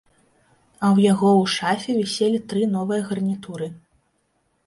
А ў яго ў шафе віселі тры новыя гарнітуры.